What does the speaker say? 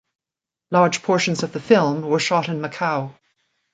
Large portions of the film were shot in Macau.